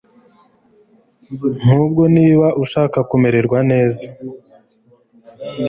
nk ubwo niba ushaka kumererwa neza